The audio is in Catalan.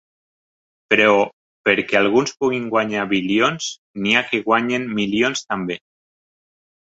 Però perquè alguns puguin guanyar bilions n’hi ha que guanyen milions, també.